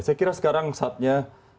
saya kira sekarang saatnya